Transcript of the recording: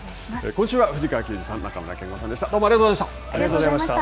今週は藤川球児さん、中村憲剛さんでした。